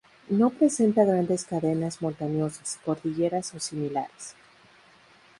No presenta grandes cadenas montañosas, cordilleras o similares.